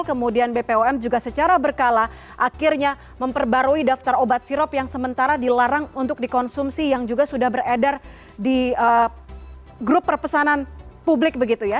kemudian bpom juga secara berkala akhirnya memperbarui daftar obat sirop yang sementara dilarang untuk dikonsumsi yang juga sudah beredar di grup perpesanan publik begitu ya